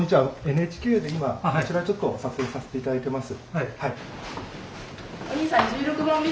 ＮＨＫで今こちらちょっと撮影させていただいてます。